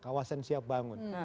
kawasan siap bangun